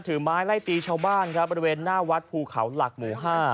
ไม้ไล่ตีชาวบ้านครับบริเวณหน้าวัดภูเขาหลักหมู่๕